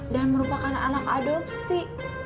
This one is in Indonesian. dan merupakan anak adopsi